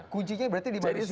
kunci nya berarti di manusia